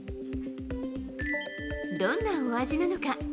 どんなお味なのか。